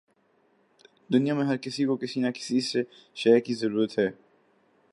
دنیا میں ہر کسی کو کسی نہ کسی شے کی ضرورت ہے